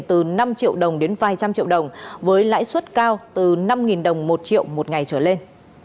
từ năm triệu đồng đến vài trăm triệu đồng với lãi suất cao từ năm đồng một triệu một ngày trở lên